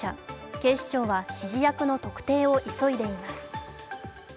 警視庁は指示役の特定を急いでいます。